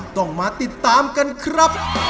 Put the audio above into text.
ต้องมาติดตามกันครับ